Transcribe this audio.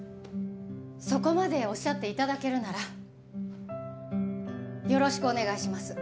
そこまでおっしゃって頂けるならよろしくお願いします